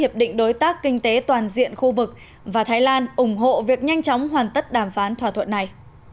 hiệp định đối tác kinh tế toàn diện khu vực và thái lan ủng hộ việc nhanh chóng hoàn tất đàm phán thỏa thuận này